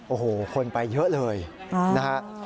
โอ้โหคนไปเยอะเลยนะฮะ